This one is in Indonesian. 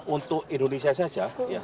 untuk indonesia saja